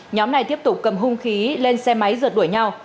nhóm này tiếp tục cầm hung khí lên xe máy rượt đuổi nhau